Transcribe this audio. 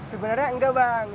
sebenarnya enggak bang